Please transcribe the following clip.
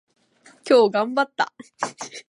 今日頑張った。